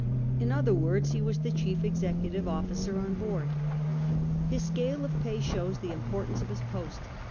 In other words, he was the , chief executive officer on board. His scale of pay shows the importance of his post.